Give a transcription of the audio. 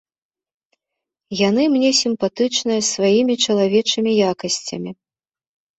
Яны мне сімпатычныя сваімі чалавечымі якасцямі.